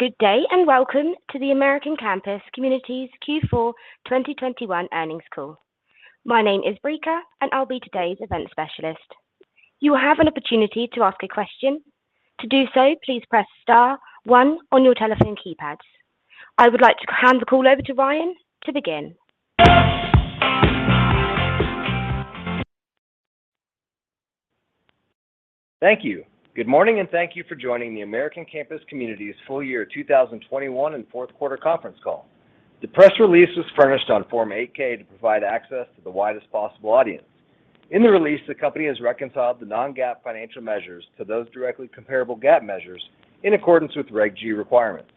Good day, and welcome to the American Campus Communities Q4 2021 Earnings Call. My name is Rica, and I'll be today's event specialist. You will have an opportunity to ask a question. To do so, please press star one on your telephone keypads. I would like to hand the call over to Ryan to begin. Thank you. Good morning, and thank you for joining the American Campus Communities Full Year 2021 and Fourth Quarter Conference Call. The press release was furnished on Form 8-K to provide access to the widest possible audience. In the release, the company has reconciled the non-GAAP financial measures to those directly comparable GAAP measures in accordance with Reg G requirements.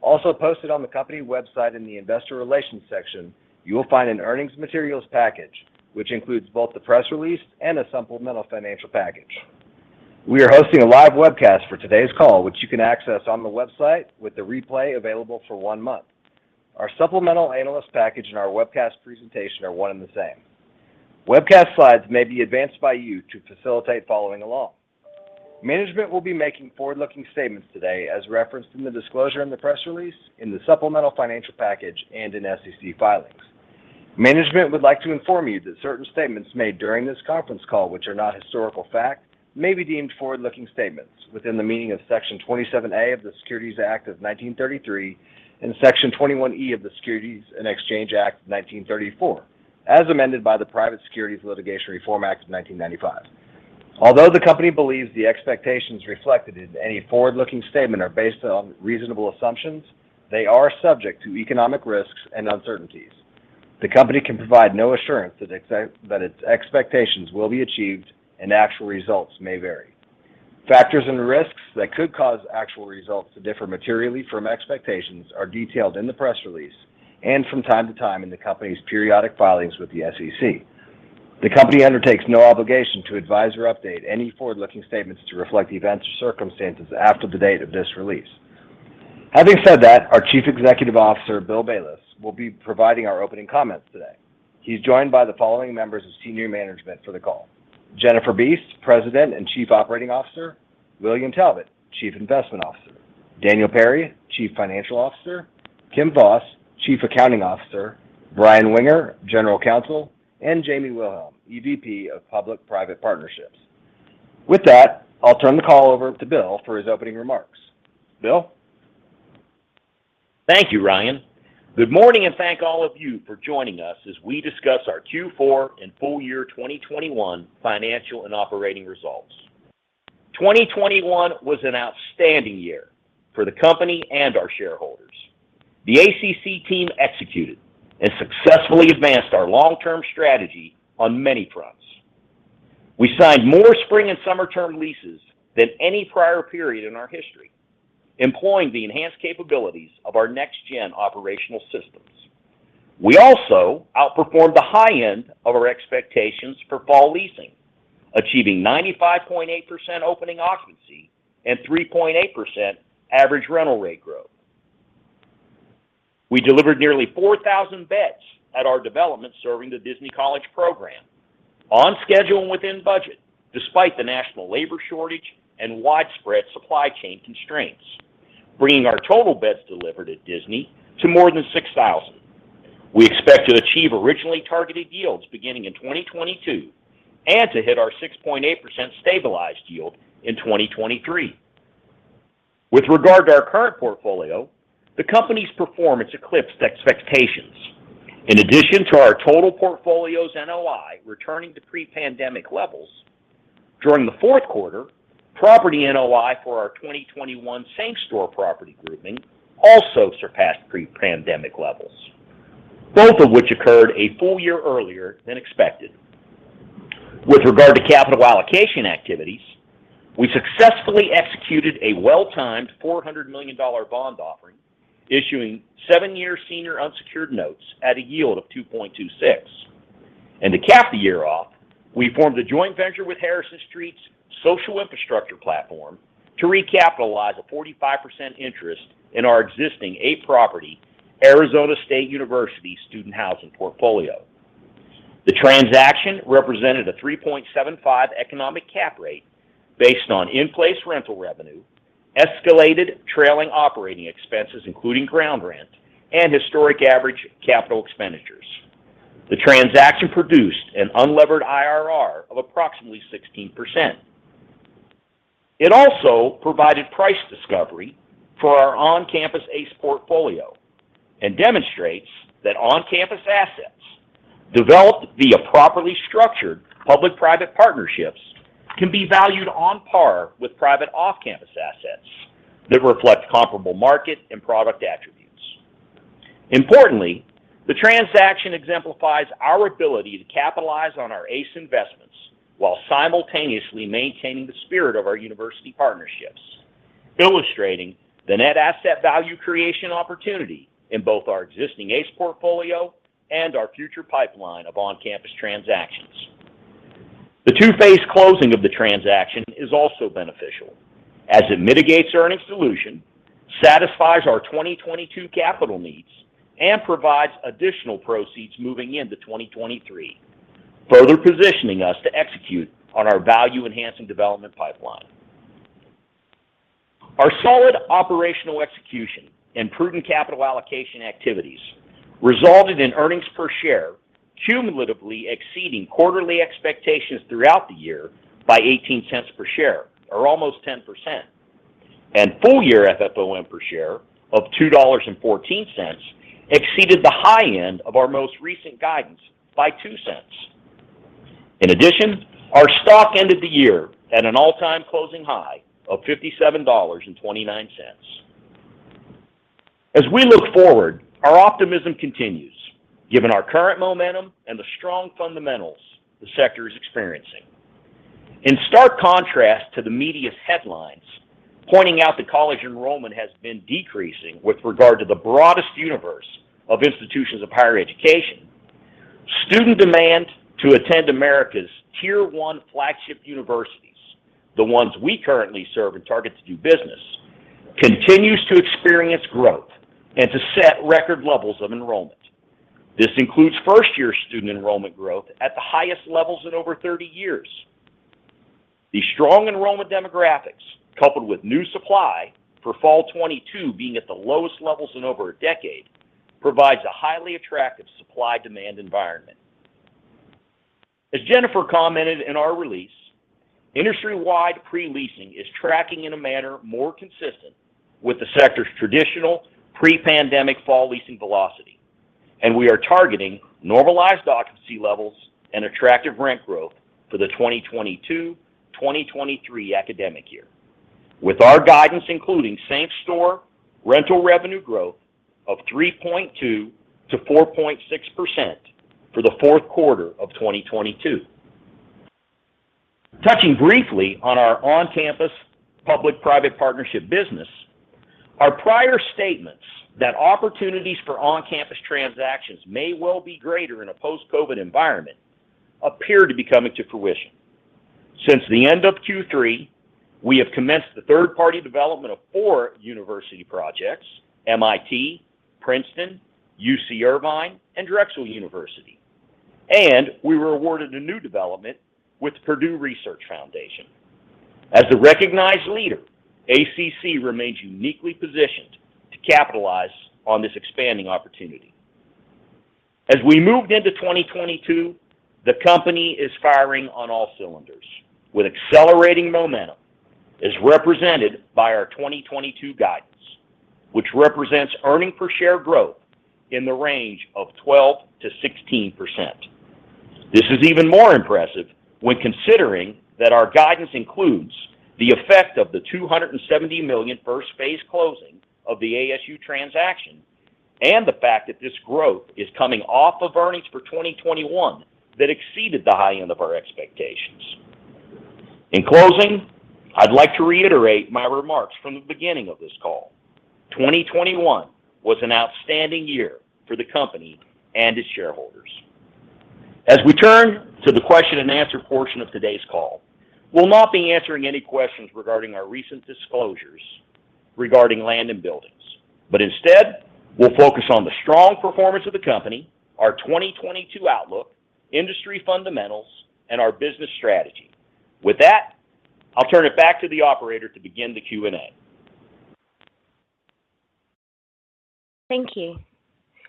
Also posted on the company website in the investor relations section, you will find an earnings materials package, which includes both the press release and a supplemental financial package. We are hosting a live webcast for today's call, which you can access on the website with the replay available for one month. Our supplemental analyst package and our webcast presentation are one and the same. Webcast slides may be advanced by you to facilitate following along. Management will be making forward-looking statements today as referenced in the disclosure in the press release, in the supplemental financial package, and in SEC filings. Management would like to inform you that certain statements made during this conference call which are not historical fact may be deemed forward-looking statements within the meaning of Section 27A of the Securities Act of 1933 and Section 21E of the Securities and Exchange Act of 1934, as amended by the Private Securities Litigation Reform Act of 1995. Although the company believes the expectations reflected in any forward-looking statement are based on reasonable assumptions, they are subject to economic risks and uncertainties. The company can provide no assurance that its expectations will be achieved and actual results may vary. Factors and risks that could cause actual results to differ materially from expectations are detailed in the press release and from time to time in the company's periodic filings with the SEC. The company undertakes no obligation to advise or update any forward-looking statements to reflect events or circumstances after the date of this release. Having said that, our Chief Executive Officer, Bill Bayless, will be providing our opening comments today. He's joined by the following members of senior management for the call. Jennifer Beese, President and Chief Operating Officer. William Talbot, Chief Investment Officer. Daniel Perry, Chief Financial Officer. Kim Voss, Chief Accounting Officer. Brian Winger, General Counsel. Jamie Wilhelm, EVP of Public-Private Partnerships. With that, I'll turn the call over to Bill for his opening remarks. Bill? Thank you, Ryan. Good morning, and thank all of you for joining us as we discuss our Q4 and Full Year 2021 Financial and Operating Results. 2021 was an outstanding year for the company and our shareholders. The ACC team executed and successfully advanced our long-term strategy on many fronts. We signed more spring and summer term leases than any prior period in our history, employing the enhanced capabilities of our NextGen operational systems. We also outperformed the high end of our expectations for fall leasing, achieving 95.8% opening occupancy and 3.8% average rental rate growth. We delivered nearly 4,000 beds at our development serving the Disney College Program on schedule and within budget, despite the national labor shortage and widespread supply chain constraints, bringing our total beds delivered at Disney to more than 6,000. We expect to achieve originally targeted yields beginning in 2022 and to hit our 6.8% stabilized yield in 2023. With regard to our current portfolio, the company's performance eclipsed expectations. In addition to our total portfolio's NOI returning to pre-pandemic levels, during the fourth quarter, property NOI for our 2021 same store property grouping also surpassed pre-pandemic levels, both of which occurred a full year earlier than expected. With regard to capital allocation activities, we successfully executed a well-timed $400 million bond offering, issuing 7-year senior unsecured notes at a yield of 2.26%. To cap the year off, we formed a joint venture with Harrison Street's social infrastructure platform to recapitalize a 45% interest in our existing 8-property Arizona State University student housing portfolio. The transaction represented a 3.75 economic cap rate based on in-place rental revenue, escalated trailing operating expenses, including ground rent, and historic average capital expenditures. The transaction produced an unlevered IRR of approximately 16%. It also provided price discovery for our on-campus ACE portfolio and demonstrates that on-campus assets developed via properly structured public-private partnerships can be valued on par with private off-campus assets that reflect comparable market and product attributes. Importantly, the transaction exemplifies our ability to capitalize on our ACE investments while simultaneously maintaining the spirit of our university partnerships, illustrating the net asset value creation opportunity in both our existing ACE portfolio and our future pipeline of on-campus transactions. The two-phase closing of the transaction is also beneficial as it mitigates earnings dilution, satisfies our 2022 capital needs, and provides additional proceeds moving into 2023, further positioning us to execute on our value-enhancing development pipeline. Our solid operational execution and prudent capital allocation activities resulted in earnings per share cumulatively exceeding quarterly expectations throughout the year by 18 cents per share, or almost 10%. Full year FFOM per share of $2.14 exceeded the high end of our most recent guidance by $0.2. In addition, our stock ended the year at an all-time closing high of $57.29. As we look forward, our optimism continues given our current momentum and the strong fundamentals the sector is experiencing. In stark contrast to the media's headlines pointing out that college enrollment has been decreasing with regard to the broadest universe of institutions of higher education, student demand to attend America's tier one flagship universities, the ones we currently serve and target to do business, continues to experience growth and to set record levels of enrollment. This includes first-year student enrollment growth at the highest levels in over 30 years. The strong enrollment demographics, coupled with new supply for fall 2022 being at the lowest levels in over a decade, provides a highly attractive supply-demand environment. As Jennifer commented in our release, industry-wide pre-leasing is tracking in a manner more consistent with the sector's traditional pre-pandemic fall leasing velocity, and we are targeting normalized occupancy levels and attractive rent growth for the 2022/2023 academic year. With our guidance including same store rental revenue growth of 3.2%-4.6% for the fourth quarter of 2022. Touching briefly on our on-campus public-private partnership business, our prior statements that opportunities for on-campus transactions may well be greater in a post-COVID environment appear to be coming to fruition. Since the end of Q3, we have commenced the third-party development of four university projects, MIT, Princeton, UC Irvine, and Drexel University. We were awarded a new development with Purdue Research Foundation. As a recognized leader, ACC remains uniquely positioned to capitalize on this expanding opportunity. As we moved into 2022, the company is firing on all cylinders with accelerating momentum, as represented by our 2022 guidance, which represents earnings per share growth in the range of 12%-16%. This is even more impressive when considering that our guidance includes the effect of the $270 million first phase closing of the ASU transaction, and the fact that this growth is coming off of earnings for 2021 that exceeded the high end of our expectations. In closing, I'd like to reiterate my remarks from the beginning of this call. 2021 was an outstanding year for the company and its shareholders. As we turn to the question and answer portion of today's call, we'll not be answering any questions regarding our recent disclosures regarding Land & Buildings. Instead, we'll focus on the strong performance of the company, our 2022 outlook, industry fundamentals, and our business strategy. With that, I'll turn it back to the operator to begin the Q&A. Thank you.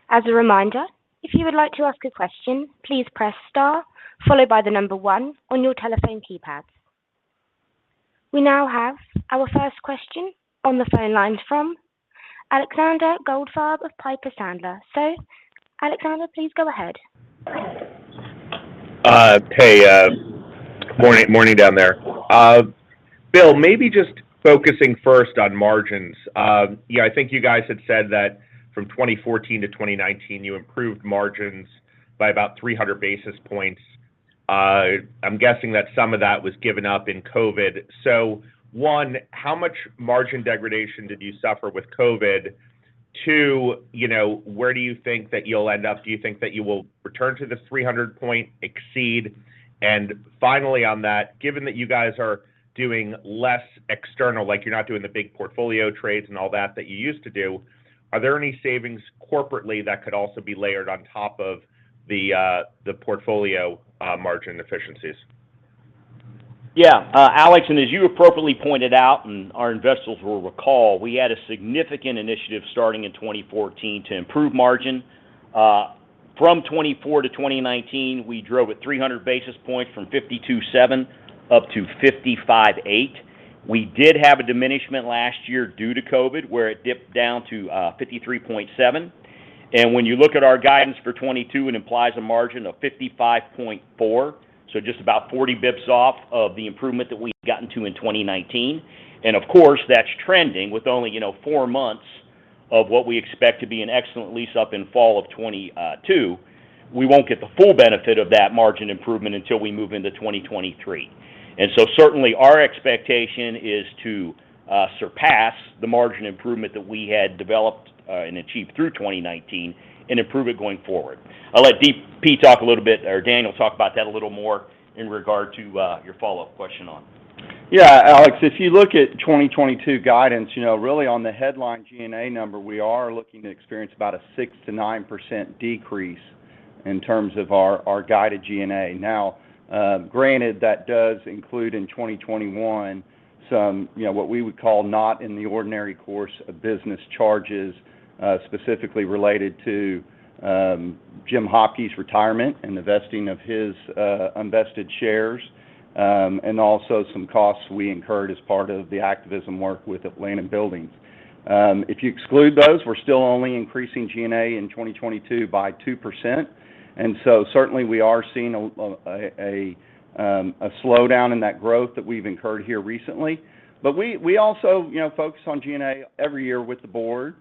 As a reminder, if you would like to ask a question, please press star followed by the number one on your telephone keypad. We now have our first question on the phone lines from Alexander Goldfarb of Piper Sandler. Alexander, please go ahead. Hey, morning down there. Bill, maybe just focusing first on margins. You know, I think you guys had said that from 2014 to 2019, you improved margins by about 300 basis points. I'm guessing that some of that was given up in COVID. One, how much margin degradation did you suffer with COVID? Two, you know, where do you think that you'll end up? Do you think that you will return to the 300-point exceed? Finally on that, given that you guys are doing less external, like you're not doing the big portfolio trades and all that that you used to do, are there any savings corporately that could also be layered on top of the portfolio margin efficiencies? Yeah. Alex, as you appropriately pointed out, and our investors will recall, we had a significant initiative starting in 2014 to improve margin. From 2014 to 2019, we drove 300 basis points from 52.7% up to 55.8%. We did have a diminishment last year due to COVID, where it dipped down to 53.7%. When you look at our guidance for 2022, it implies a margin of 55.4%, so just about 40 basis points off of the improvement that we had gotten to in 2019. Of course, that's trending with only, you know, 4 months of what we expect to be an excellent lease-up in fall of 2022. We won't get the full benefit of that margin improvement until we move into 2023. Certainly, our expectation is to surpass the margin improvement that we had developed and achieved through 2019 and improve it going forward. I'll let D-P talk a little bit or Daniel talk about that a little more in regard to your follow-up question on. Yeah. Alex, if you look at 2022 guidance, you know, really on the headline G&A number, we are looking to experience about a 6%-9% decrease. In terms of our guided G&A. Now, granted that does include in 2021 some, you know, what we would call not in the ordinary course of business charges, specifically related to, Jim Hopke's retirement and the vesting of his, unvested shares, and also some costs we incurred as part of the activism work with Land & Buildings. If you exclude those, we're still only increasing G&A in 2022 by 2%, and so certainly we are seeing a slowdown in that growth that we've incurred here recently. But we also, you know, focus on G&A every year with the board.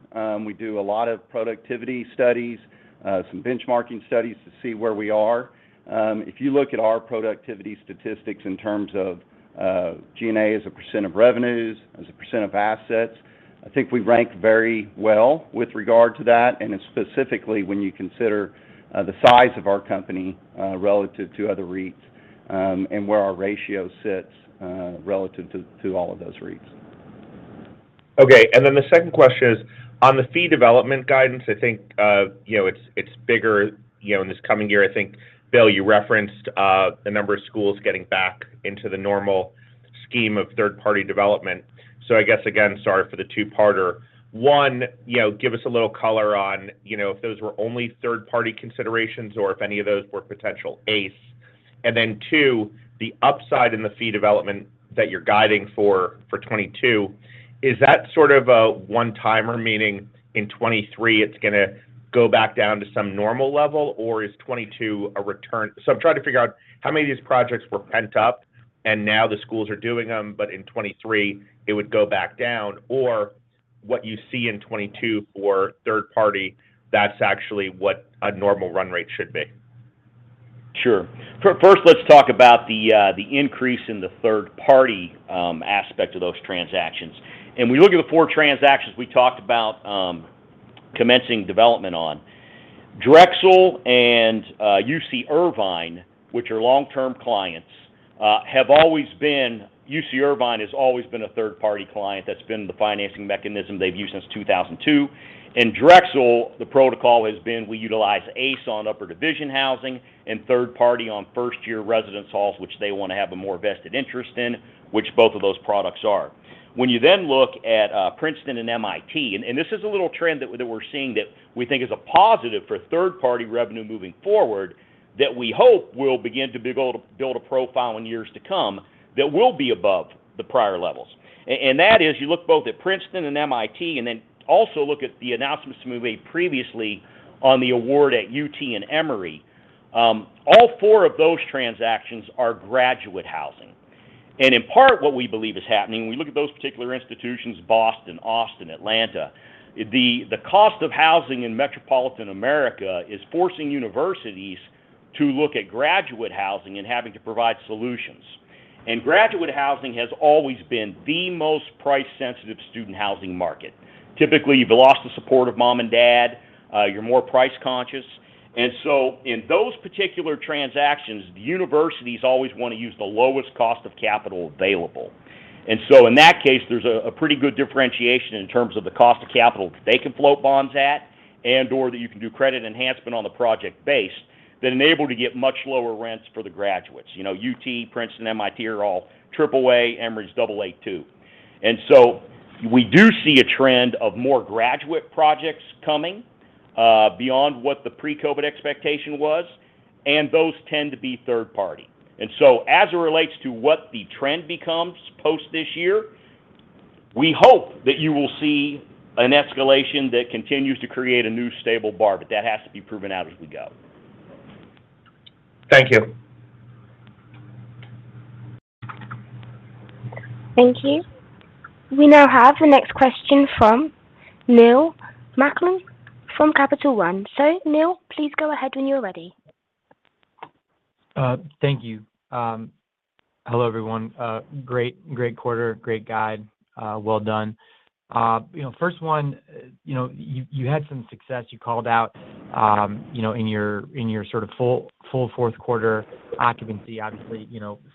We do a lot of productivity studies, some benchmarking studies to see where we are. If you look at our productivity statistics in terms of G&A as a % of revenues, as a % of assets, I think we rank very well with regard to that, and specifically when you consider the size of our company relative to other REITs, and where our ratio sits relative to all of those REITs. The second question is on the fee development guidance, I think, you know, it's bigger, you know, in this coming year. I think, Bill, you referenced the number of schools getting back into the normal scheme of third-party development. I guess again, sorry for the two-parter. One, you know, give us a little color on, you know, if those were only third-party considerations or if any of those were potential ACE. Two, the upside in the fee development that you're guiding for 2022, is that sort of a one-timer, meaning in 2023 it's gonna go back down to some normal level, or is 2022 a return. I'm trying to figure out how many of these projects were pent-up and now the schools are doing them, but in 2023 it would go back down. What you see in 2022 for third party, that's actually what a normal run rate should be. Sure. First, let's talk about the increase in the third-party aspect of those transactions. We look at the four transactions we talked about commencing development on. Drexel and UC Irvine, which are long-term clients. UC Irvine has always been a third-party client. That's been the financing mechanism they've used since 2002. Drexel, the protocol has been we utilize ACE on upper-division housing and third-party on first-year residence halls, which they want to have a more vested interest in, which both of those products are. When you then look at Princeton and MIT, this is a little trend that we're seeing that we think is a positive for third-party revenue moving forward, that we hope will begin to be able to build a profile in years to come that will be above the prior levels. That is, you look both at Princeton and MIT, and then also look at the announcements made previously on the award at UT and Emory. All four of those transactions are graduate housing. In part, what we believe is happening, when we look at those particular institutions, Boston, Austin, Atlanta, the cost of housing in metropolitan America is forcing universities to look at graduate housing and having to provide solutions. Graduate housing has always been the most price-sensitive student housing market. Typically, you've lost the support of mom and dad, you're more price-conscious. In those particular transactions, the universities always want to use the lowest cost of capital available. In that case, there's a pretty good differentiation in terms of the cost of capital they can float bonds at and/or that you can do credit enhancement on the project base that enable to get much lower rents for the graduates. You know, UT, Princeton, MIT are all AAA, Emory's double A too. We do see a trend of more graduate projects coming beyond what the pre-COVID expectation was, and those tend to be third party. As it relates to what the trend becomes post this year, we hope that you will see an escalation that continues to create a new stable bar, but that has to be proven out as we go. Thank you. Thank you. We now have the next question from Neil Malkin from Capital One. Neil, please go ahead when you're ready. Thank you. Hello, everyone. Great quarter, great guide. Well done. You know, first one, you had some success. You called out, you know, in your sort of full fourth quarter occupancy, obviously,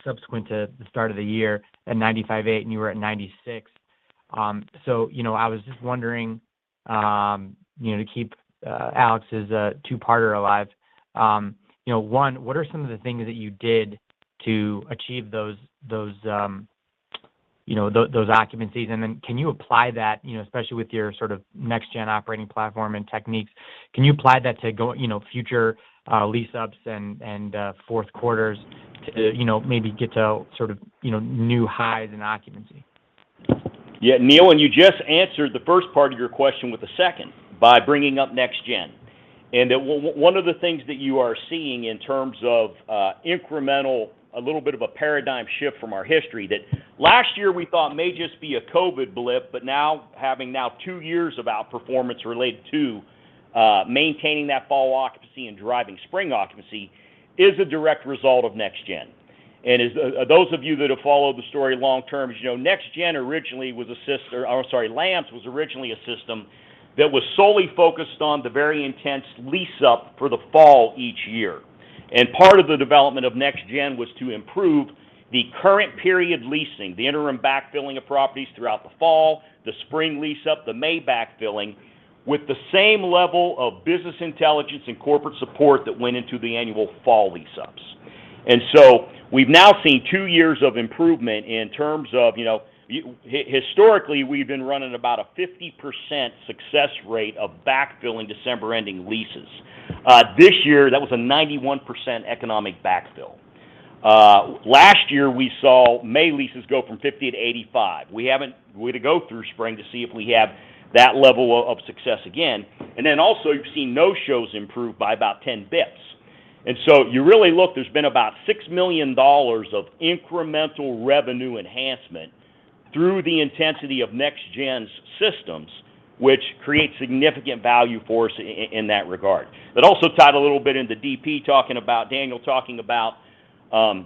subsequent to the start of the year at 95.8%, and you were at 96%. You know, I was just wondering, you know, to keep Alex's two-parter alive, you know, one, what are some of the things that you did to achieve those occupancies? And then can you apply that, you know, especially with your sort of NextGen operating platform and techniques, to future lease-ups and fourth quarters to maybe get to new highs in occupancy? Yeah, Neil, you just answered the first part of your question with the second by bringing up NextGen. One of the things that you are seeing in terms of incremental, a little bit of a paradigm shift from our history that last year we thought may just be a COVID blip, but now having two years of outperformance related to maintaining that fall occupancy and driving spring occupancy is a direct result of NextGen. As those of you that have followed the story long term, as you know, NextGen originally was a, LMS was originally a system that was solely focused on the very intense lease-up for the fall each year. Part of the development of NextGen was to improve the current period leasing, the interim backfilling of properties throughout the fall, the spring lease-up, the May backfilling, with the same level of business intelligence and corporate support that went into the annual fall lease-ups. We've now seen two years of improvement in terms of, you know, historically, we've been running about a 50% success rate of backfilling December ending leases. This year, that was a 91% economic backfill. Last year, we saw May leases go from 50% to 85%. We had to go through spring to see if we have that level of success again. Then also you've seen no-shows improve by about 10 basis points. You really look, there's been about $6 million of incremental revenue enhancement through the intensity of NextGen's systems, which create significant value for us in that regard. also tied a little bit into Daniel talking about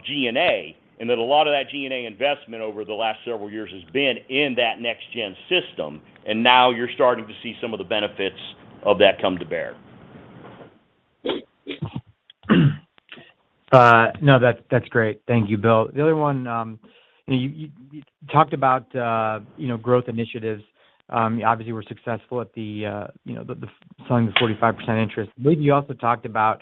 G&A, and that a lot of that G&A investment over the last several years has been in that NextGen system. Now you're starting to see some of the benefits of that come to bear. No, that's great. Thank you, Bill. The other one, you talked about, you know, growth initiatives. Obviously you were successful at, you know, selling the 45% interest. You also talked about,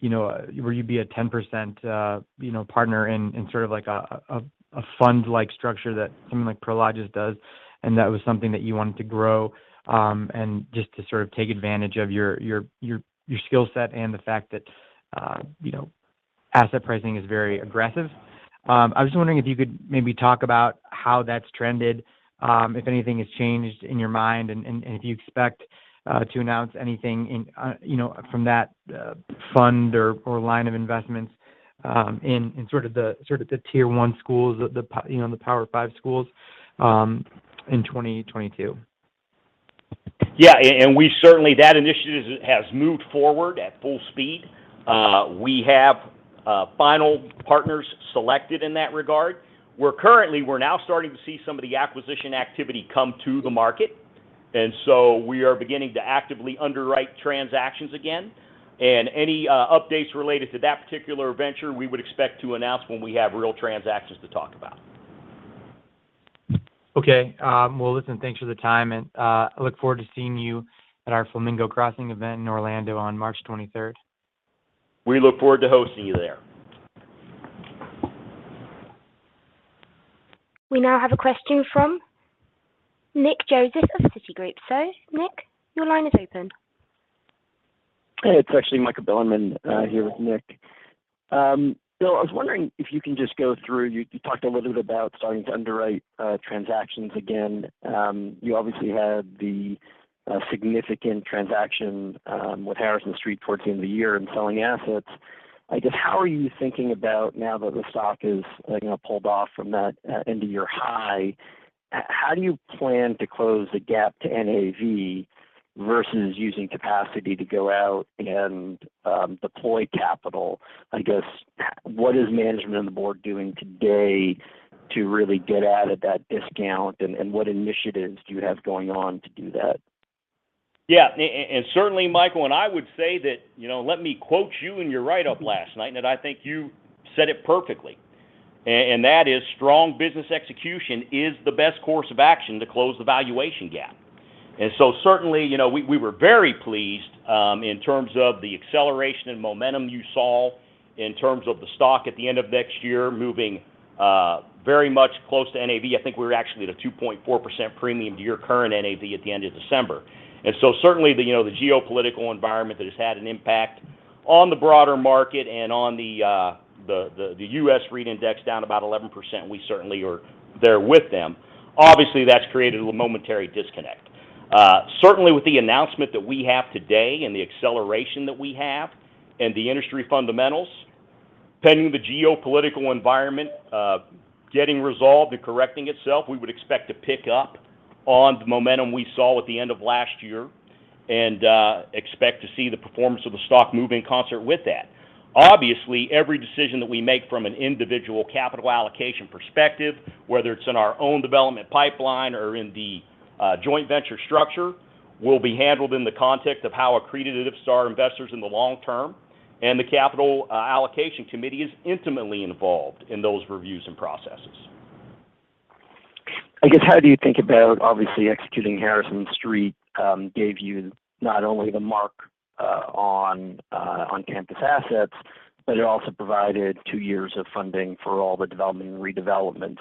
you know, where you'd be a 10%, you know, partner in sort of like a fund-like structure that something like Prologis does, and that was something that you wanted to grow, and just to sort of take advantage of your skill set and the fact that, you know, asset pricing is very aggressive. I was just wondering if you could maybe talk about how that's trended, if anything has changed in your mind and if you expect to announce anything, you know, from that fund or line of investments in sort of the Tier 1 schools, the Power Five schools, in 2022. That initiative has moved forward at full speed. We have final partners selected in that regard. We're now starting to see some of the acquisition activity come to the market, and so we are beginning to actively underwrite transactions again. Any updates related to that particular venture, we would expect to announce when we have real transactions to talk about. Okay. Well, listen, thanks for the time, and I look forward to seeing you at our Flamingo Crossing event in Orlando on March 23rd. We look forward to hosting you there. We now have a question from Nick Joseph of Citigroup. Nick, your line is open. Hey, it's actually Michael Bilerman here with Nick. Bill, I was wondering if you can just go through. You talked a little bit about starting to underwrite transactions again. You obviously had the significant transaction with Harrison Street towards the end of the year and selling assets. I guess how are you thinking about now that the stock is, you know, pulled off from that end-of-year high. How do you plan to close the gap to NAV versus using capacity to go out and deploy capital? I guess what is management and the board doing today to really get at that discount? And what initiatives do you have going on to do that? Yeah. Certainly, Michael, I would say that, you know, let me quote you in your write-up last night, and that I think you said it perfectly. That is strong business execution is the best course of action to close the valuation gap. Certainly, you know, we were very pleased in terms of the acceleration and momentum you saw in terms of the stock at the end of next year moving very much closer to NAV. I think we were actually at a 2.4% premium to your current NAV at the end of December. Certainly, you know, the geopolitical environment that has had an impact on the broader market and on the U.S. REIT index down about 11%, we certainly are there with them. Obviously, that's created a momentary disconnect. Certainly with the announcement that we have today and the acceleration that we have and the industry fundamentals, pending the geopolitical environment getting resolved and correcting itself, we would expect to pick up on the momentum we saw at the end of last year and expect to see the performance of the stock move in concert with that. Obviously, every decision that we make from an individual capital allocation perspective, whether it's in our own development pipeline or in the joint venture structure, will be handled in the context of how accretive to our investors in the long term and the capital allocation committee is intimately involved in those reviews and processes. I guess how do you think about obviously executing Harrison Street gave you not only the mark on on-campus assets, but it also provided 2 years of funding for all the development and redevelopment.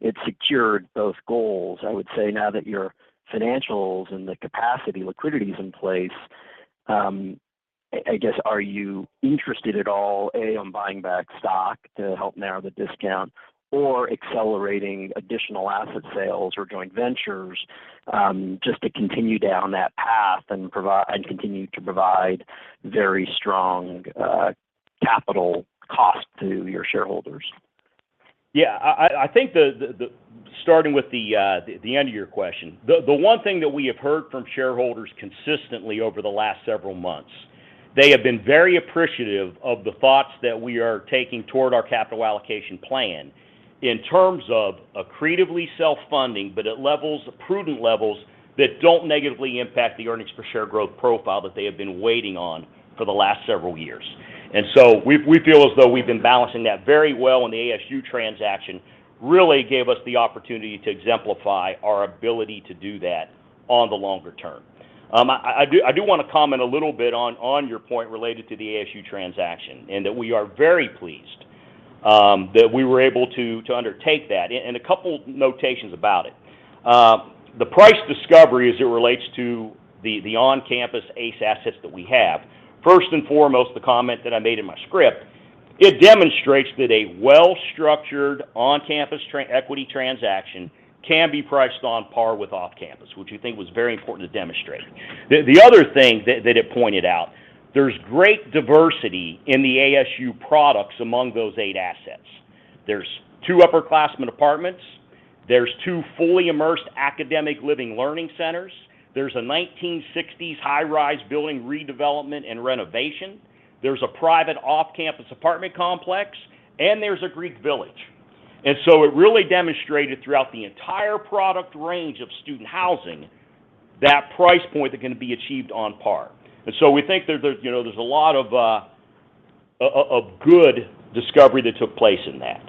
It secured those goals. I would say now that your financials and the capital capacity and liquidity are in place, I guess, are you interested at all in buying back stock to help narrow the discount or accelerating additional asset sales or joint ventures, just to continue down that path and continue to provide very strong capital costs to your shareholders? Yeah. I think, starting with the end of your question. The one thing that we have heard from shareholders consistently over the last several months, they have been very appreciative of the thoughts that we are taking toward our capital allocation plan in terms of accretively self-funding, but at prudent levels that don't negatively impact the earnings per share growth profile that they have been waiting on for the last several years. We feel as though we've been balancing that very well, and the ASU transaction really gave us the opportunity to exemplify our ability to do that on the longer term. I do want to comment a little bit on your point related to the ASU transaction, and that we are very pleased that we were able to undertake that. A couple notations about it. The price discovery as it relates to the on-campus ACE assets that we have, first and foremost, the comment that I made in my script, it demonstrates that a well-structured on-campus equity transaction can be priced on par with off-campus, which we think was very important to demonstrate. The other thing that it pointed out, there's great diversity in the ASU products among those 8 assets. There's 2 upperclassmen apartments, there's 2 fully immersed academic living learning centers, there's a 1960s high-rise building redevelopment and renovation, there's a private off-campus apartment complex, and there's a Greek village. It really demonstrated throughout the entire product range of student housing that price point that can be achieved on par. We think there, you know, there's a lot of good discovery that took place in that.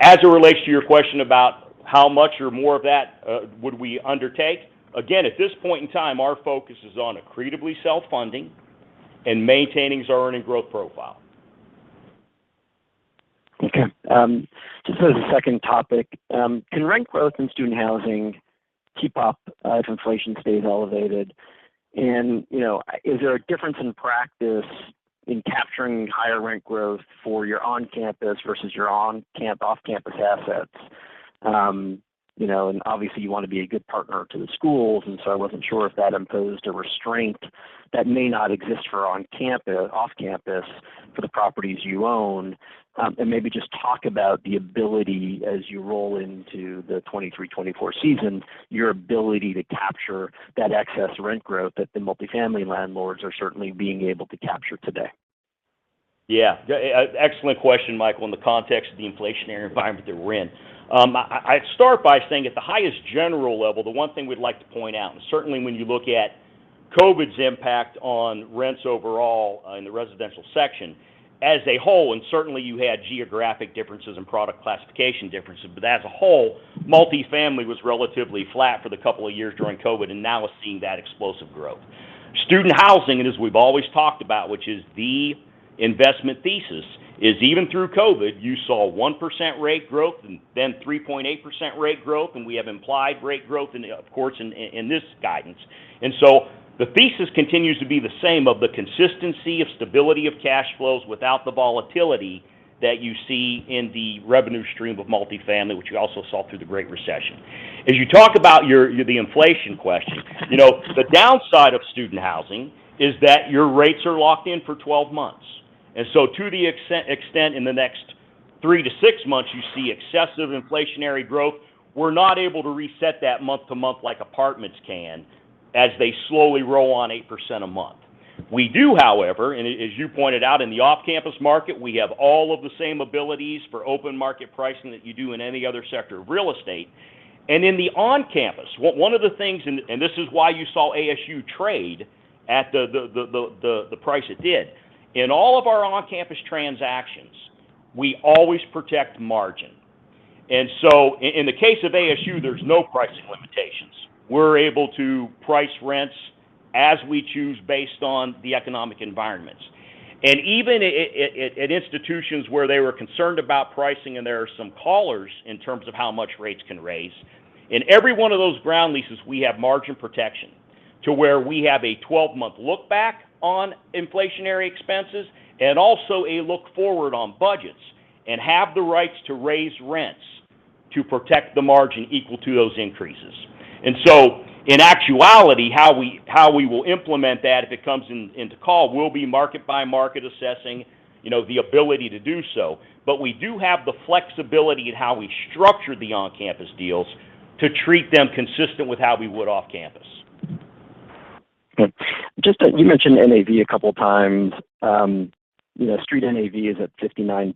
As it relates to your question about how much or more of that would we undertake, again, at this point in time, our focus is on accretively self-funding and maintaining our earning growth profile. Okay. Just as a second topic, can rent growth in student housing keep up if inflation stays elevated? You know, is there a difference in practice in capturing higher rent growth for your on-campus versus your off-campus assets? You know, obviously you want to be a good partner to the schools, and so I wasn't sure if that imposed a restraint that may not exist for off-campus for the properties you own. Maybe just talk about the ability as you roll into the 2023-2024 season, your ability to capture that excess rent growth that the multifamily landlords are certainly being able to capture today. Yeah. Excellent question, Michael, in the context of the inflationary environment that we're in. I'd start by saying at the highest general level, the one thing we'd like to point out, and certainly when you look at COVID's impact on rents overall in the residential sector, as a whole, and certainly you had geographic differences and product classification differences, but as a whole, multifamily was relatively flat for the couple of years during COVID and now is seeing that explosive growth. Student housing, and as we've always talked about, which is the investment thesis, is even through COVID, you saw 1% rent growth and then 3.8% rent growth, and we have implied rent growth in, of course, this guidance. The thesis continues to be the same of the consistency of stability of cash flows without the volatility that you see in the revenue stream of multifamily, which we also saw through the Great Recession. As you talk about your the inflation question, you know, the downside of student housing is that your rates are locked in for 12 months. To the extent in the next 3 to 6 months you see excessive inflationary growth, we're not able to reset that month to month like apartments can as they slowly roll on 8% a month. We do, however, and as you pointed out, in the off-campus market, we have all of the same abilities for open market pricing that you do in any other sector of real estate. In the on-campus one of the things and this is why you saw ASU trade at the price it did. In all of our on-campus transactions, we always protect margin. In the case of ASU, there's no pricing limitations. We're able to price rents as we choose based on the economic environments. Even at institutions where they were concerned about pricing and there are some collars in terms of how much rates can rise, in every one of those ground leases, we have margin protection to where we have a 12-month look back on inflationary expenses and also a look forward on budgets and have the rights to raise rents to protect the margin equal to those increases. In actuality, how we will implement that if it comes into effect will be market by market assessing, you know, the ability to do so. We do have the flexibility in how we structure the on-campus deals to treat them consistent with how we would off-campus. Just, you mentioned NAV a couple times. You know, Street NAV is at $59,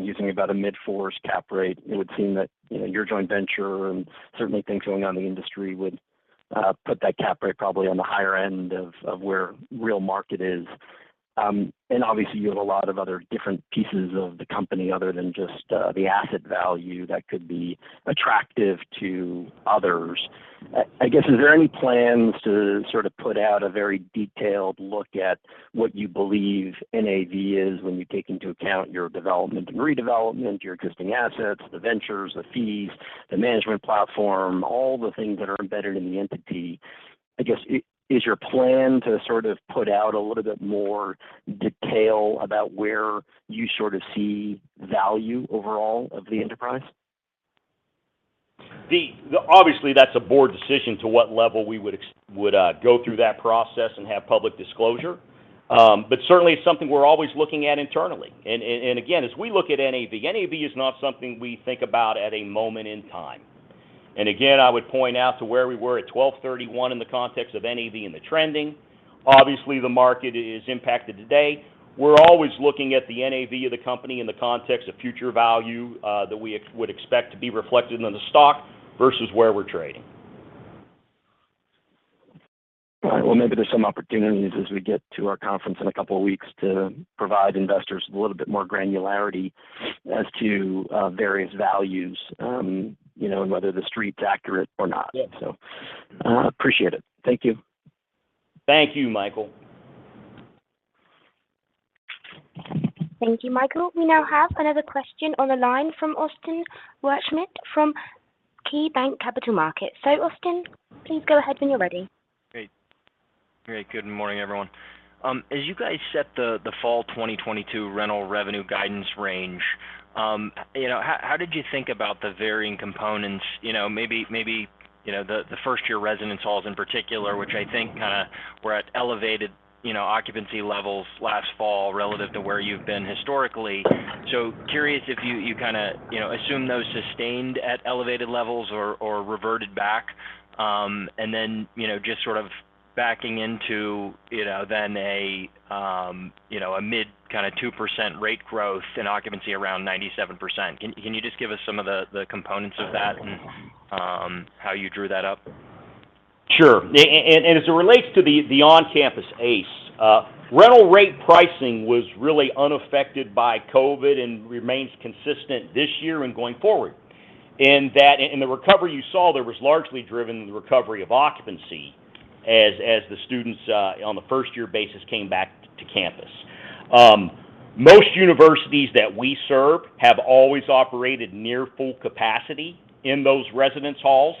using about a mid-4 cap rate. It would seem that, you know, your joint venture and certainly things going on in the industry would put that cap rate probably on the higher end of where real market is. And obviously you have a lot of other different pieces of the company other than just the asset value that could be attractive to others. I guess, is there any plans to sort of put out a very detailed look at what you believe NAV is when you take into account your development and redevelopment, your existing assets, the ventures, the fees, the management platform, all the things that are embedded in the entity? I guess, is your plan to sort of put out a little bit more detail about where you sort of see value overall of the enterprise? Obviously, that's a board decision to what level we would go through that process and have public disclosure. Certainly it's something we're always looking at internally. Again, as we look at NAV is not something we think about at a moment in time. Again, I would point out to where we were at 12/31 in the context of NAV and the trending. Obviously, the market is impacted today. We're always looking at the NAV of the company in the context of future value that we would expect to be reflected in the stock versus where we're trading. All right. Well, maybe there's some opportunities as we get to our conference in a couple of weeks to provide investors a little bit more granularity as to various values, you know, and whether The Street's accurate or not. Yeah. Appreciate it. Thank you. Thank you, Michael. Thank you, Michael. We now have another question on the line from Austin Wurschmidt from KeyBanc Capital Markets. Austin, please go ahead when you're ready. Great. Good morning, everyone. As you guys set the fall 2022 rental revenue guidance range, you know, how did you think about the varying components? You know, maybe you know, the first year residence halls in particular. Mm-hmm... which I think kinda were at elevated, you know, occupancy levels last fall relative to where you've been historically. Curious if you kinda, you know, assume those sustained at elevated levels or reverted back. You know, just sort of backing into, you know, a mid kind of 2% rate growth and occupancy around 97%. Can you just give us some of the components of that and how you drew that up? Sure. As it relates to the on-campus ACE, rental rate pricing was really unaffected by COVID and remains consistent this year and going forward. In that, in the recovery you saw was largely driven by the recovery of occupancy as the students on the first year basis came back to campus. Most universities that we serve have always operated near full capacity in those residence halls.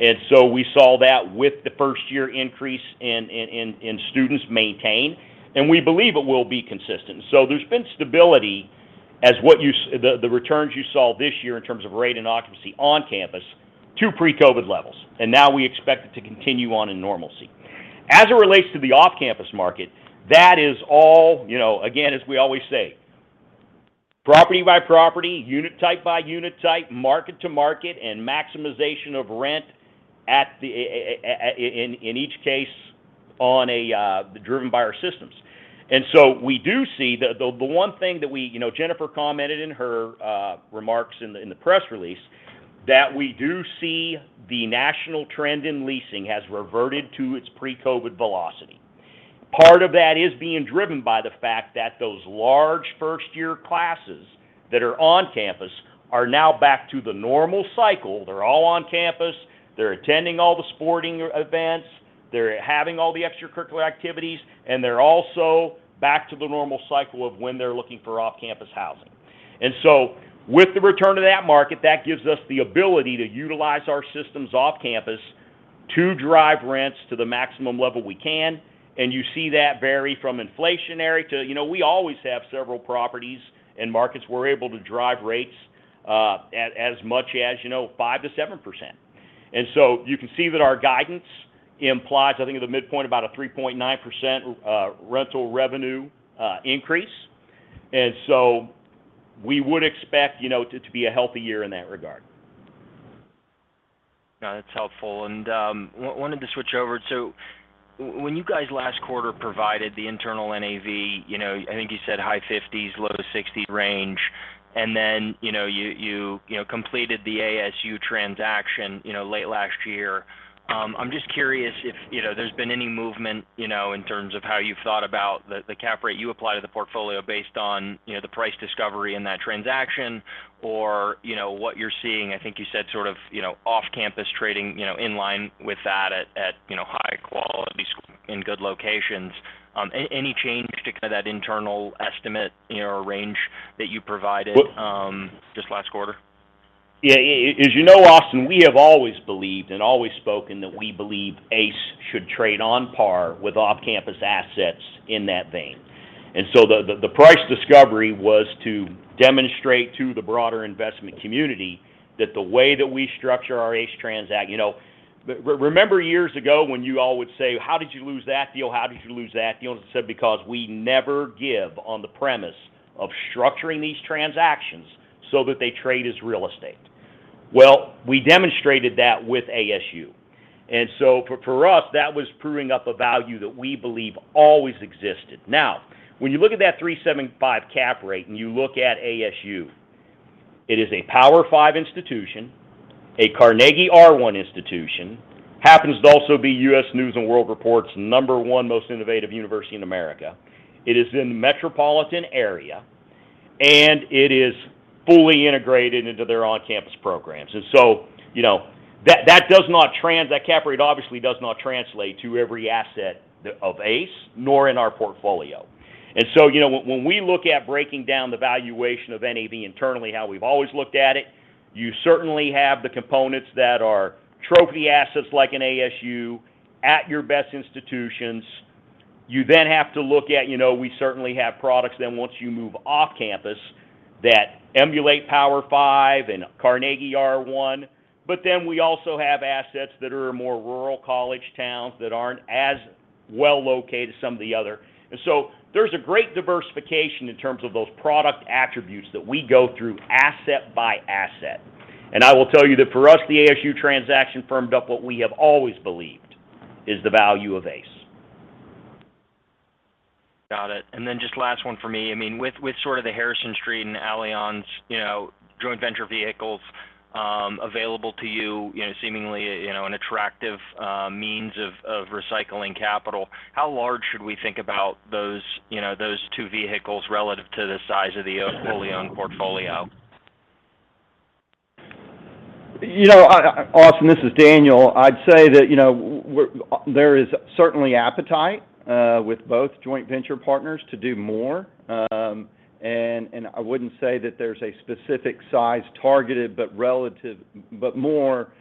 We saw that with the first year increase in students maintained, and we believe it will be consistent. There's been stability as what you said, the returns you saw this year in terms of rate and occupancy on campus to pre-COVID levels, and now we expect it to continue on in normalcy. As it relates to the off-campus market, that is all, you know, again, as we always say, property by property, unit type by unit type, market to market, and maximization of rent in each case on a driven by our systems. We do see the one thing. You know, Jennifer commented in her remarks in the press release that we do see the national trend in leasing has reverted to its pre-COVID velocity. Part of that is being driven by the fact that those large first year classes that are on campus are now back to the normal cycle. They're all on campus. They're attending all the sporting events. They're having all the extracurricular activities, and they're also back to the normal cycle of when they're looking for off-campus housing. With the return of that market, that gives us the ability to utilize our systems off campus to drive rents to the maximum level we can. You see that vary from inflationary. We always have several properties and markets we're able to drive rates as much as 5%-7%. You can see that our guidance implies, I think, at a midpoint about a 3.9% rental revenue increase. We would expect to be a healthy year in that regard. No, that's helpful. I wanted to switch over. When you guys last quarter provided the internal NAV, you know, I think you said high 50s, low 60s range, and then, you know, you completed the ASU transaction, you know, late last year. I'm just curious if, you know, there's been any movement, you know, in terms of how you've thought about the cap rate you apply to the portfolio based on, you know, the price discovery in that transaction or, you know, what you're seeing. I think you said sort of, you know, off-campus trading, you know, in line with that, you know, high-quality schools in good locations. Any change to kind of that internal estimate, you know, or range that you provided just last quarter? Yeah. As you know, Austin, we have always believed and always spoken that we believe ACC should trade on par with off-campus assets in that vein. The price discovery was to demonstrate to the broader investment community that the way that we structure our ACC transac. You know, remember years ago when you all would say, "How did you lose that deal? How did you lose that deal?" I said, "Because we never give on the premise of structuring these transactions so that they trade as real estate." Well, we demonstrated that with ASU. For us, that was proving up a value that we believe always existed. Now, when you look at that 3.75% cap rate, and you look at ASU, it is a Power Five institution, a Carnegie R1 institution, happens to also be U.S. News & World Report's 1 most innovative university in America. It is in a metropolitan area, and it is fully integrated into their on-campus programs. You know, that does not. That cap rate obviously does not translate to every asset of ACC, nor in our portfolio. You know, when we look at breaking down the valuation of NAV internally, how we've always looked at it, you certainly have the components that are trophy assets like an ASU at your best institutions. You then have to look at, you know, we certainly have products then once you move off campus that emulate Power Five and Carnegie R1, but then we also have assets that are more rural college towns that aren't as well located as some of the other. There's a great diversification in terms of those product attributes that we go through asset by asset. I will tell you that for us, the ASU transaction firmed up what we have always believed is the value of ACE. Got it. Just last one for me. I mean, with sort of the Harrison Street and Allianz, you know, joint venture vehicles, available to you know, seemingly, you know, an attractive, means of recycling capital, how large should we think about those, you know, those two vehicles relative to the size of the, fully owned portfolio? You know, Austin, this is Daniel. I'd say that, you know, there is certainly appetite with both joint venture partners to do more. I wouldn't say that there's a specific size targeted, but more,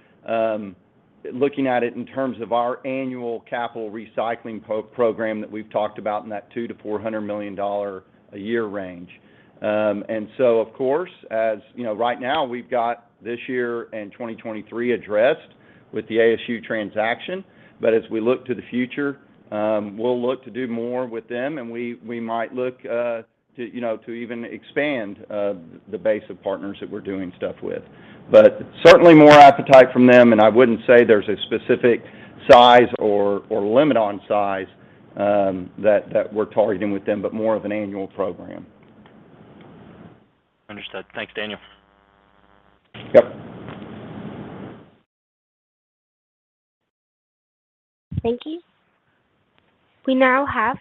looking at it in terms of our annual capital recycling program that we've talked about in that $200 million-$400 million a year range. Of course, as you know, right now we've got this year and 2023 addressed with the ASU transaction. As we look to the future, we'll look to do more with them and we might look to even expand the base of partners that we're doing stuff with. Certainly more appetite from them, and I wouldn't say there's a specific size or limit on size that we're targeting with them, but more of an annual program. Understood. Thanks, Daniel. Yep. Thank you. We now have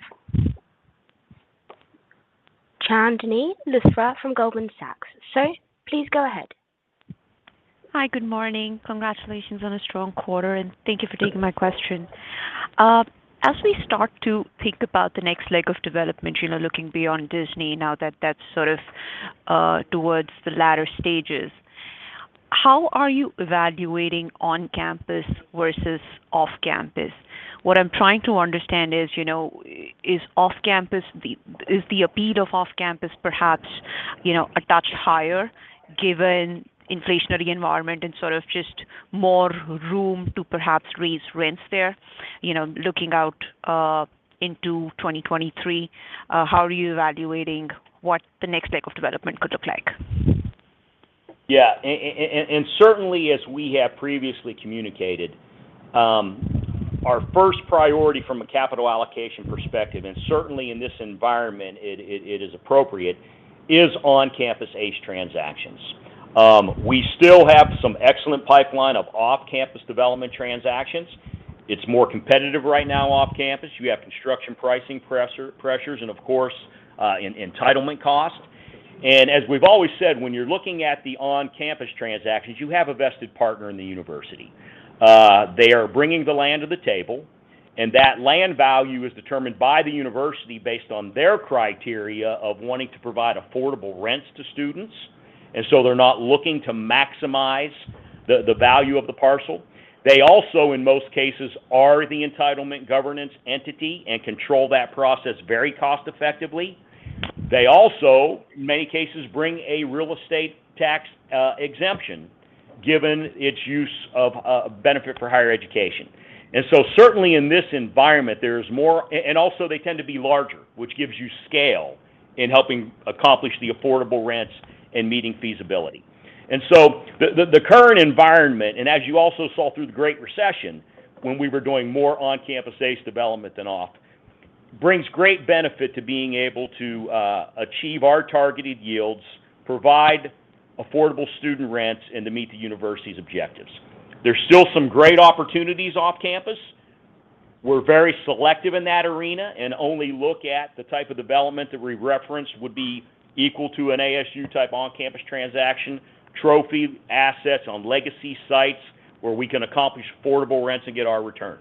Chandni Luthra from Goldman Sachs. Sir, please go ahead. Hi. Good morning. Congratulations on a strong quarter, and thank you for taking my question. As we start to think about the next leg of development, you know, looking beyond Disney now that that's sort of towards the latter stages, how are you evaluating on-campus versus off-campus? What I'm trying to understand is, you know, is off-campus the... Is the appeal of off-campus perhaps, you know, a touch higher given inflationary environment and sort of just more room to perhaps raise rents there? You know, looking out into 2023, how are you evaluating what the next leg of development could look like? Certainly, as we have previously communicated, our first priority from a capital allocation perspective, and certainly in this environment it is appropriate, is on-campus P3 transactions. We still have some excellent pipeline of off-campus development transactions. It's more competitive right now off-campus. You have construction pricing pressures and, of course, entitlement costs. As we've always said, when you're looking at the on-campus transactions, you have a vested partner in the university. They are bringing the land to the table, and that land value is determined by the university based on their criteria of wanting to provide affordable rents to students. They're not looking to maximize the value of the parcel. They also, in most cases, are the entitlement governance entity and control that process very cost effectively. They also, in many cases, bring a real estate tax exemption given its use or benefit for higher education. Certainly in this environment, there's more. They also tend to be larger, which gives you scale in helping accomplish the affordable rents and meeting feasibility. The current environment, and as you also saw through the Great Recession when we were doing more on-campus ACE development than off, brings great benefit to being able to achieve our targeted yields, provide affordable student rents, and to meet the university's objectives. There's still some great opportunities off-campus. We're very selective in that arena and only look at the type of development that we reference would be equal to an ASU-type on-campus transaction, trophy assets on legacy sites where we can accomplish affordable rents and get our return.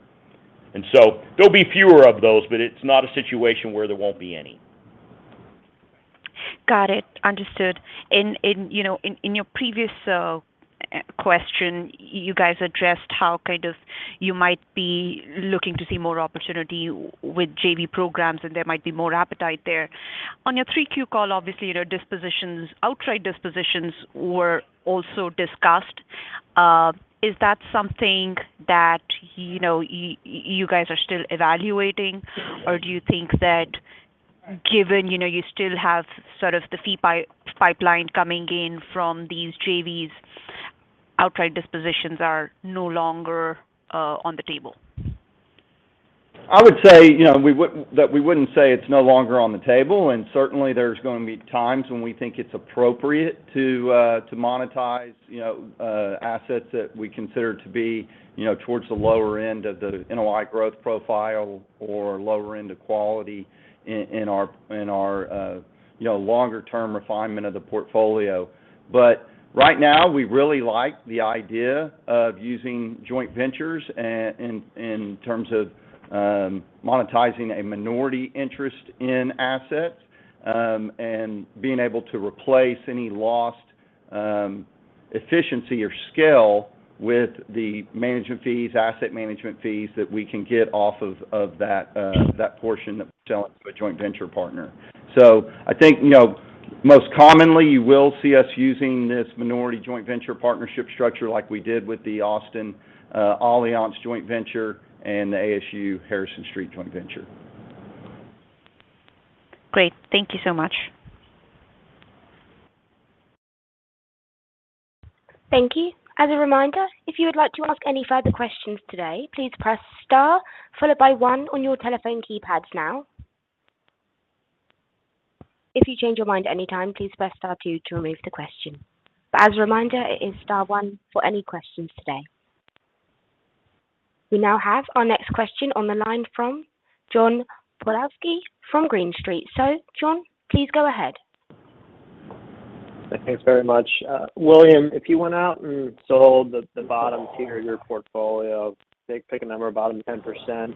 There'll be fewer of those, but it's not a situation where there won't be any. Got it. Understood. You know, in your previous question, you guys addressed how you might be looking to see more opportunity with JV programs, and there might be more appetite there. On your 3Q call, obviously, you know, dispositions, outright dispositions were also discussed. Is that something that, you know, you guys are still evaluating? Or do you think that given you still have sort of the fee pipeline coming in from these JVs, outright dispositions are no longer on the table? I would say, you know, we wouldn't say it's no longer on the table, and certainly there's going to be times when we think it's appropriate to monetize, you know, assets that we consider to be, you know, towards the lower end of the NOI growth profile or lower end of quality in our, you know, longer term refinement of the portfolio. Right now, we really like the idea of using joint ventures in terms of monetizing a minority interest in assets, and being able to replace any lost efficiency or scale with the management fees, asset management fees that we can get off of that portion of selling to a joint venture partner. I think, you know, most commonly, you will see us using this minority joint venture partnership structure like we did with the Austin-Allianz joint venture and the ASU-Harrison Street joint venture. Great. Thank you so much. Thank you. As a reminder, if you would like to ask any further questions today, please press star followed by one on your telephone keypads now. If you change your mind at any time, please press star two to remove the question. But as a reminder, it is star one for any questions today. We now have our next question on the line from John Pawlowski from Green Street. John, please go ahead. Thanks very much. William, if you went out and sold the bottom tier of your portfolio, pick a number, bottom 10%,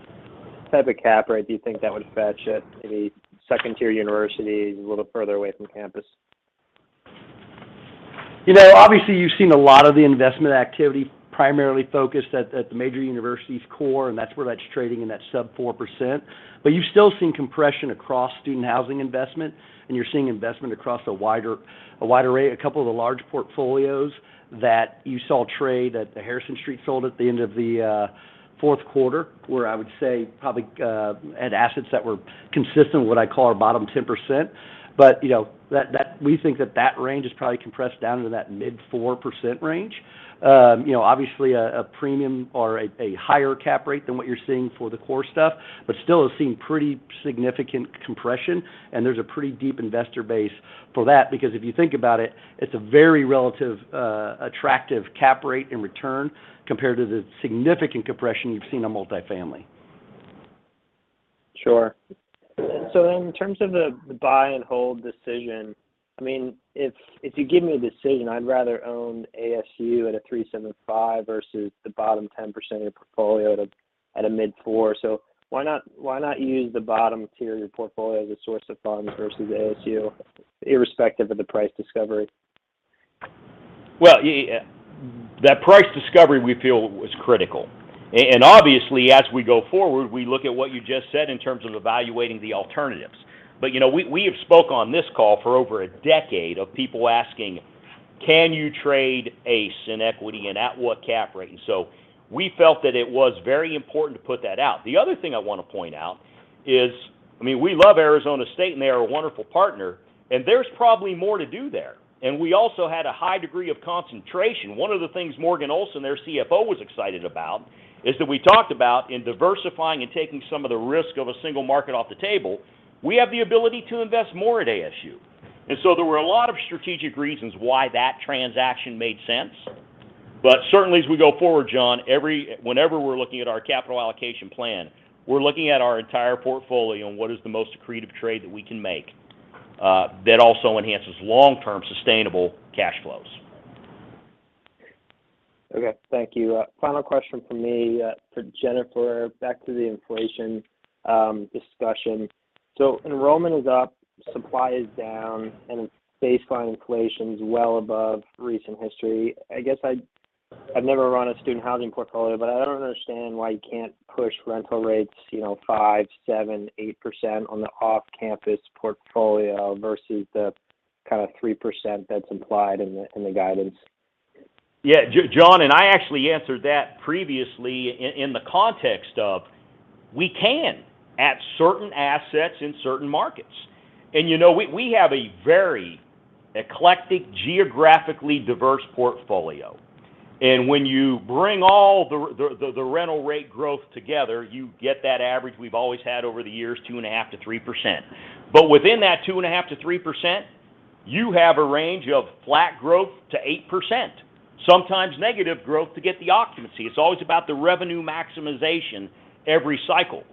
type of cap rate do you think that would fetch at a second tier university a little further away from campus? You know, obviously you've seen a lot of the investment activity primarily focused at the major universities core, and that's where that's trading in that sub-4%. You've still seen compression across student housing investment, and you're seeing investment across a wide array. A couple of the large portfolios that you saw trade at the Harrison Street sold at the end of the fourth quarter, where I would say probably had assets that were consistent with what I call our bottom 10%. You know, we think that range is probably compressed down into that mid-4% range. You know, obviously a premium or a higher cap rate than what you're seeing for the core stuff, but still has seen pretty significant compression, and there's a pretty deep investor base for that. Because if you think about it's a very relatively attractive cap rate in return compared to the significant compression you've seen on multifamily. Sure. In terms of the buy and hold decision, I mean if you give me a decision, I'd rather own ASU at a 3.75% versus the bottom 10% of your portfolio at a mid-4%. Why not use the bottom tier of your portfolio as a source of funds versus ASU irrespective of the price discovery? Well, yeah, that price discovery we feel is critical. Obviously as we go forward, we look at what you just said in terms of evaluating the alternatives. You know, we have spoken on this call for over a decade of people asking, "Can you trade ACE in equity and at what cap rate?" We felt that it was very important to put that out. The other thing I want to point out is, I mean, we love Arizona State and they are a wonderful partner, and there's probably more to do there. We also had a high degree of concentration. One of the things Morgan R. Olsen, their CFO, was excited about is that we talked about diversifying and taking some of the risk of a single market off the table, we have the ability to invest more at ASU. There were a lot of strategic reasons why that transaction made sense. Certainly as we go forward, John, whenever we're looking at our capital allocation plan, we're looking at our entire portfolio and what is the most accretive trade that we can make, that also enhances long-term sustainable cash flows. Okay. Thank you. Final question from me for Jennifer, back to the inflation discussion. Enrollment is up, supply is down, and baseline inflation is well above recent history. I guess I've never run a student housing portfolio, but I don't understand why you can't push rental rates, you know, 5, 7, 8% on the off-campus portfolio versus the kind of 3% that's implied in the guidance. Yeah. John, I actually answered that previously in the context of we can at certain assets in certain markets. You know, we have a very eclectic, geographically diverse portfolio. When you bring all the rental rate growth together, you get that average we've always had over the years, 2.5%-3%. But within that 2.5%-3%, you have a range of flat growth to 8%, sometimes negative growth to get the occupancy. It's always about the revenue maximization every cycle.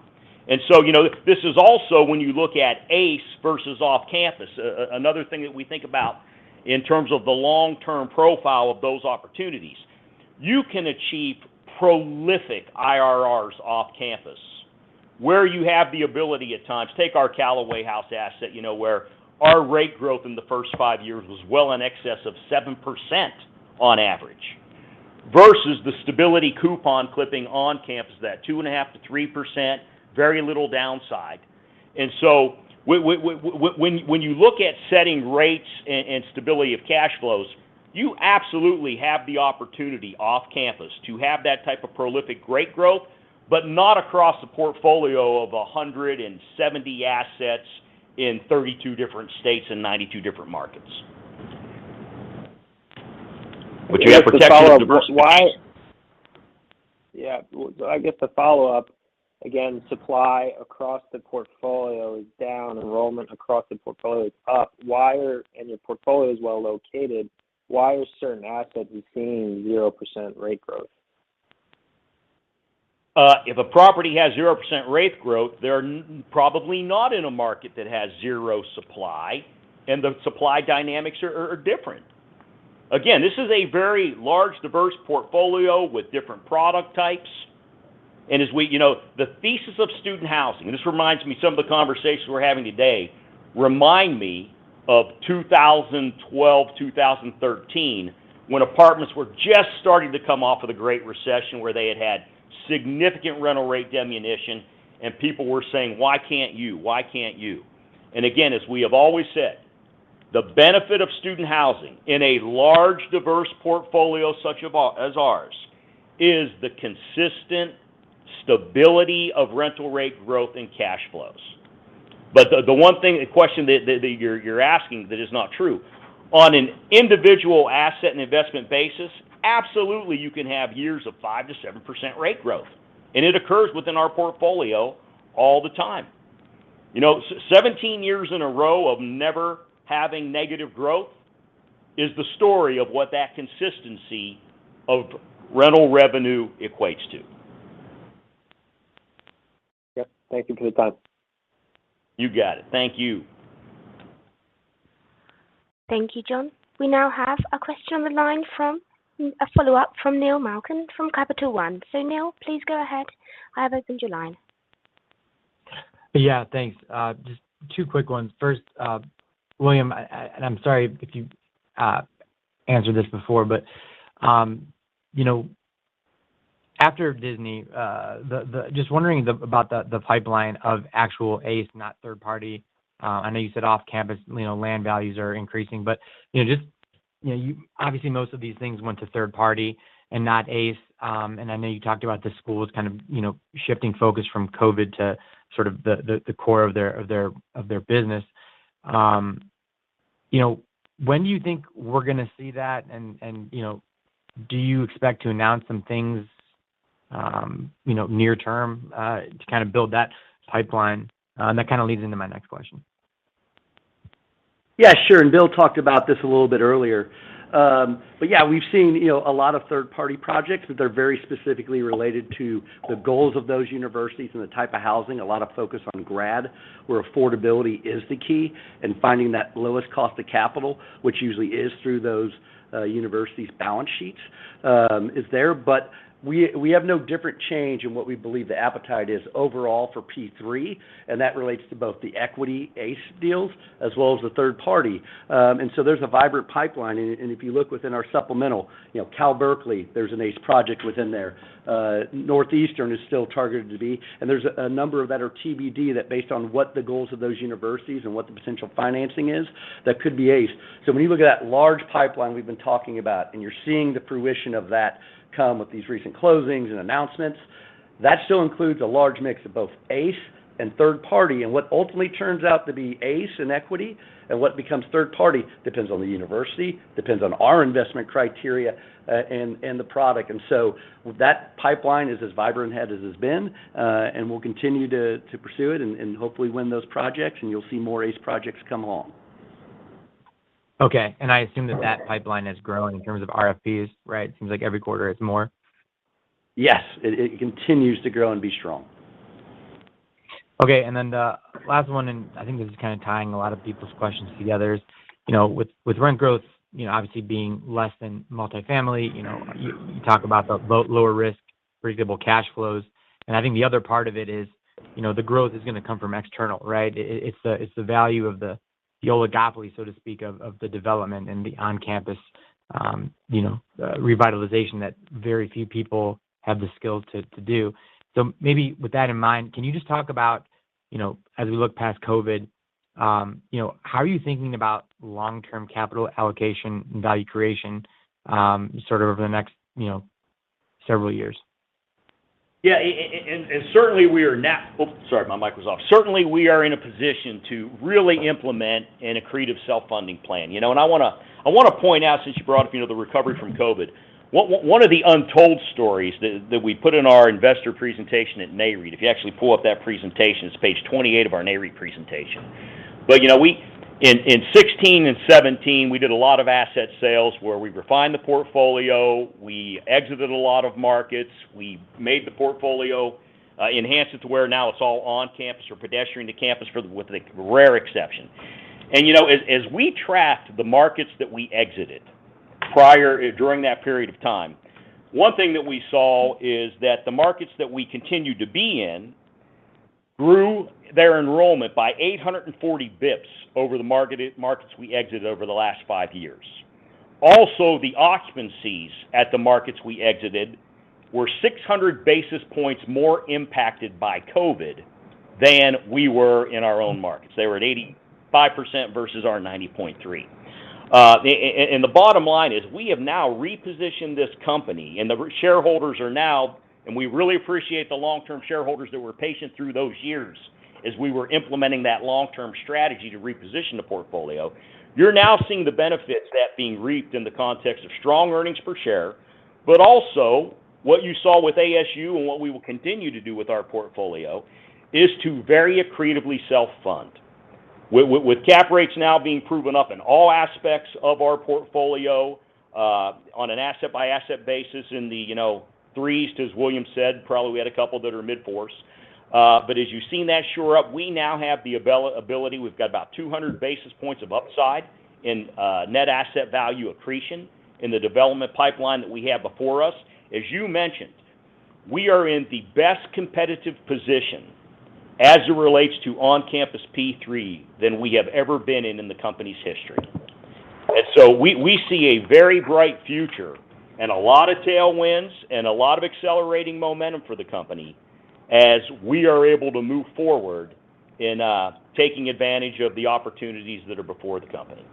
You know, this is also when you look at ACE versus off-campus, another thing that we think about in terms of the long-term profile of those opportunities. You can achieve prolific IRRs off-campus where you have the ability at times. Take our Callaway House asset, you know, where our rate growth in the first 5 years was well in excess of 7% on average versus the stability coupon clipping on campus, that 2.5%-3%, very little downside. When you look at setting rates and stability of cash flows, you absolutely have the opportunity off-campus to have that type of prolific rate growth, but not across the portfolio of 170 assets in 32 different states and 92 different markets. You have the protection of diversity. Yeah. I guess the follow-up, again, supply across the portfolio is down, enrollment across the portfolio is up. Your portfolio is well located. Why are certain assets we're seeing 0% rate growth? If a property has 0% rate growth, they're probably not in a market that has 0 supply, and the supply dynamics are different. Again, this is a very large, diverse portfolio with different product types. You know, the thesis of student housing, and this reminds me of some of the conversations we're having today that remind me of 2012, 2013, when apartments were just starting to come off of the Great Recession, where they had had significant rental rate diminution, and people were saying, "Why can't you? Why can't you?" As we have always said, the benefit of student housing in a large, diverse portfolio such as ours is the consistent stability of rental rate growth and cash flows. The one thing, the question that you're asking, is not true. On an individual asset and investment basis, absolutely you can have years of 5%-7% rate growth, and it occurs within our portfolio all the time. You know, 17 years in a row of never having negative growth is the story of what that consistency of rental revenue equates to. Yep. Thank you for the time. You got it. Thank you. Thank you, John. We now have a question on the line from a follow-up from Neil Malkin from Capital One. Neil, please go ahead. I have opened your line. Yeah. Thanks. Just two quick ones. First, William, and I'm sorry if you answered this before, but you know, after Disney, just wondering about the pipeline of actual ACE, not third party. I know you said off-campus, you know, land values are increasing, but you know, just you know, obviously, most of these things went to third party and not ACE. And I know you talked about the schools kind of, you know, shifting focus from COVID to sort of the core of their business. You know, when do you think we're gonna see that? And you know, do you expect to announce some things, you know, near term, to kind of build that pipeline? And that kind of leads into my next question. Yeah, sure. Bill talked about this a little bit earlier. Yeah, we've seen, you know, a lot of third party projects that they're very specifically related to the goals of those universities and the type of housing, a lot of focus on grad, where affordability is the key, and finding that lowest cost of capital, which usually is through those universities' balance sheets, is there. We have no different change in what we believe the appetite is overall for P3, and that relates to both the equity ACE deals as well as the third party. There's a vibrant pipeline, and if you look within our supplemental, you know, Cal Berkeley, there's an ACE project within there. Northeastern is still targeted to be, and there's a number of that are TBD that based on what the goals of those universities and what the potential financing is, that could be ACE. When you look at that large pipeline we've been talking about, and you're seeing the fruition of that come with these recent closings and announcements, that still includes a large mix of both ACE and third party. What ultimately turns out to be ACE and equity and what becomes third party depends on the university, depends on our investment criteria, and the product. That pipeline is as vibrant ahead as it has been, and we'll continue to pursue it and hopefully win those projects, and you'll see more ACE projects come along. Okay. I assume that pipeline is growing in terms of RFPs, right? Seems like every quarter it's more. Yes. It continues to grow and be strong. Okay. Then the last one, I think this is kind of tying a lot of people's questions together is, you know, with rent growth, you know, obviously being less than multifamily, you know, you talk about the lower risk, for example, cash flows, and I think the other part of it is, you know, the growth is gonna come from external, right? It's the value of the oligopoly, so to speak, of the development and the on-campus revitalization that very few people have the skill to do. Maybe with that in mind, can you just talk about, you know, as we look past COVID, you know, how are you thinking about long-term capital allocation and value creation, sort of over the next, you know, several years? Oh, sorry. My mic was off. Certainly, we are in a position to really implement an accretive self-funding plan, you know? I wanna point out since you brought up, you know, the recovery from COVID, one of the untold stories that we put in our investor presentation at NAREIT. If you actually pull up that presentation, it's page 28 of our NAREIT presentation. You know, we in 2016 and 2017 did a lot of asset sales where we refined the portfolio. We exited a lot of markets. We made the portfolio enhanced it to where now it's all on-campus or pedestrian to campus for with a rare exception. You know, as we tracked the markets that we exited prior. During that period of time, one thing that we saw is that the markets that we continued to be in grew their enrollment by 840 basis points over the markets we exited over the last five years. Also, the occupancies at the markets we exited were 600 basis points more impacted by COVID than we were in our own markets. They were at 85% versus our 90.3%. The bottom line is we have now repositioned this company, and the shareholders are now. We really appreciate the long-term shareholders that were patient through those years as we were implementing that long-term strategy to reposition the portfolio. You're now seeing the benefits of that being reaped in the context of strong earnings per share, but also what you saw with ASU and what we will continue to do with our portfolio is to very accretively self-fund. With cap rates now being proven up in all aspects of our portfolio, on an asset-by-asset basis in the, you know, 3s, as William said, probably we had a couple that are mid-4s. But as you've seen that shore up, we now have the availability. We've got about 200 basis points of upside in net asset value accretion in the development pipeline that we have before us. As you mentioned, we are in the best competitive position as it relates to on-campus P3 than we have ever been in in the company's history. We see a very bright future and a lot of tailwinds and a lot of accelerating momentum for the company as we are able to move forward in taking advantage of the opportunities that are before the company.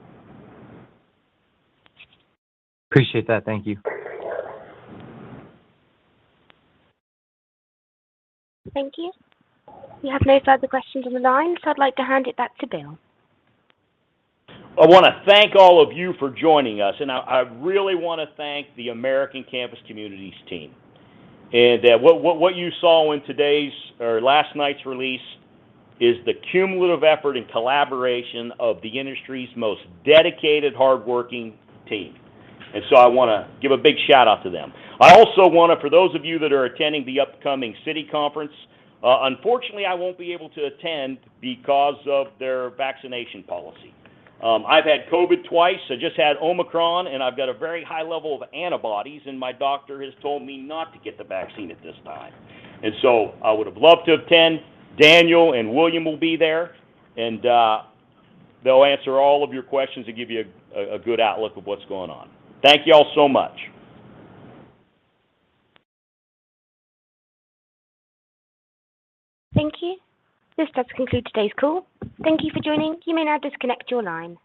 Appreciate that. Thank you. Thank you. We have no further questions on the line, so I'd like to hand it back to Bill. I wanna thank all of you for joining us, and I really wanna thank the American Campus Communities team. What you saw in today's or last night's release is the cumulative effort and collaboration of the industry's most dedicated, hardworking team. I wanna give a big shout-out to them. I also wanna, for those of you that are attending the upcoming Citi conference, unfortunately I won't be able to attend because of their vaccination policy. I've had COVID twice. I just had Omicron, and I've got a very high level of antibodies, and my doctor has told me not to get the vaccine at this time. I would've loved to attend. Daniel and William will be there, and they'll answer all of your questions and give you a good outlook of what's going on. Thank you all so much. Thank you. This does conclude today's call. Thank you for joining. You may now disconnect your line.